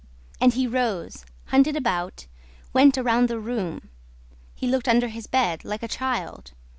And he rose, hunted about, went round the room. He looked under his bed, like a child.